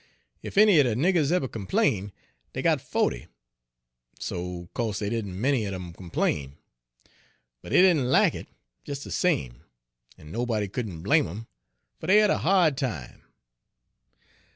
"Ef any er de niggers eber complained, dey got fo'ty; so co'se dey didn' many un 'em complain. But dey didn' lack it, des de same, en nobody couldn' blame 'em, fer dey had a ha'd time.